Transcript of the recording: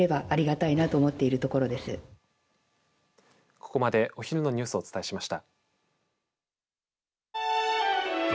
ここまでお昼のニュースをお伝えしました。